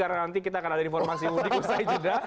karena nanti kita akan ada informasi mudik usai cedera